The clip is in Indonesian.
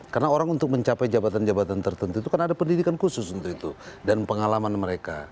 karena orang untuk mencapai jabatan jabatan tertentu itu kan ada pendidikan khusus untuk itu dan pengalaman mereka